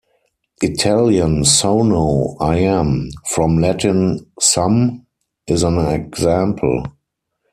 Italian "sono" 'I am', from Latin "sum", is an example.